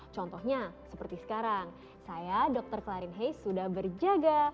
contohnya seperti sekarang saya dokter klarin hei sudah berjaga